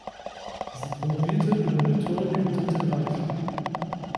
Sie promovierte über "Rhetorik im Dritten Reich".